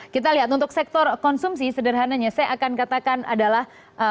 kita lihat untuk sektor konsumsi sederhananya saya akan katakan adalah